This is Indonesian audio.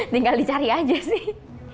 tinggal dicari aja sih